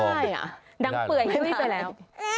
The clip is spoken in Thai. ทำไม่ได้อ่ะดังเปื่อยไม่ได้ไปแล้ว